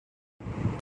ملک چل رہا ہے۔